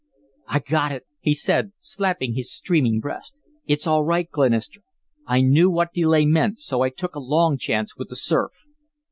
"I got it," he said, slapping his streaming breast. "It's all right, Glenister, I knew what delay meant so I took a long chance with the surf."